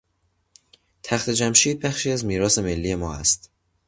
تخت جمشید بخشی از میراث ملی ما است.